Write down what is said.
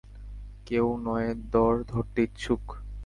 কেউ নয়ে দর ধরতে ইচ্ছুক?